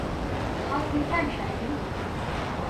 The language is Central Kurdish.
خەڵکی کام شاری